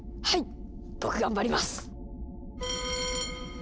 はい！